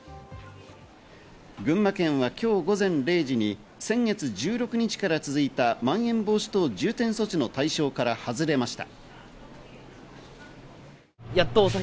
群馬県はきょう午前０時に先月１６日から続いた、まん延防止等重点措置の対象から外れました。